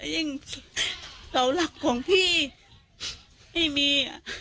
ยิ่งเสาหลักของพี่ไม่มี